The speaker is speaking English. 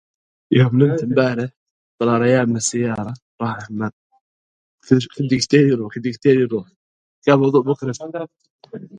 Because the method is loaded at runtime, compilers are unable to do this.